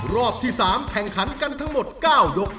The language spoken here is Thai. รอบที่สามแข่งขันทั้งหมด๙ยก